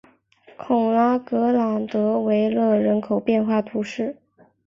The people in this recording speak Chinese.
孔拉格朗德维勒人口变化图示